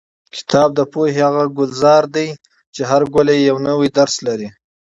کتاب د پوهې هغه ګلزار دی چې هر ګل یې یو نوی درس لري.